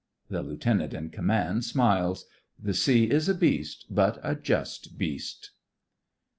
The lieutenant in command smiles. The sea is a beast, but a just beast.